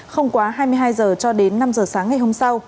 không quá hai mươi hai giờ cho đến năm giờ